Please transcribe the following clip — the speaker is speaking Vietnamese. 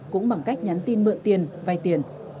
cũng bằng cách nhắn tin mượn tiền vay tiền